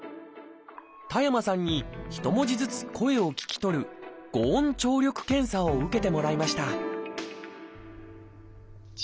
田山さんに一文字ずつ声を聞き取る「語音聴力検査」を受けてもらいました「じ」。